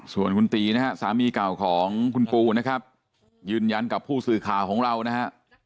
ส่วนคุณตีนะฮะสามีเก่าของคุณปูนะครับยืนยันกับผู้สื่อข่าวของเรานะฮะ